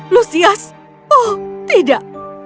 lusias oh tidak